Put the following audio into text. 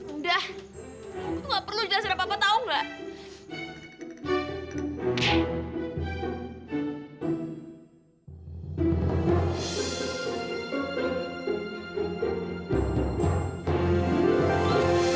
udah lo gak perlu jelasin apa apa tau gak